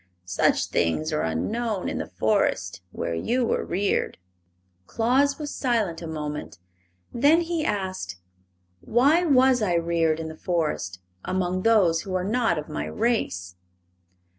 Such things are unknown in the Forest where you were reared." Claus was silent a moment. Then he asked: "Why was I reared in the forest, among those who are not of my race?"